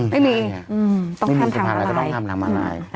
ไม่มีไม่มีสะพานลอยก็ต้องทำทางมาลาย